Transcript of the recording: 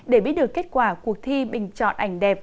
để biết được kết quả cuộc thi bình chọn ảnh đẹp